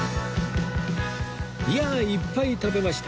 いやあいっぱい食べました